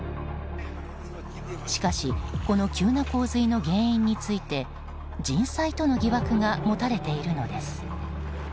しかしこの急な洪水の原因について人災との疑惑が持たれているのです。